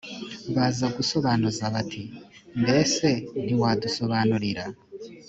bazagusobanuza bati mbese ntiwadusobanurira